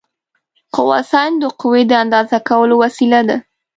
قوه سنج د قوې د اندازه کولو وسیله ده.